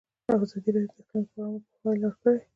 ازادي راډیو د اقلیم لپاره عامه پوهاوي لوړ کړی.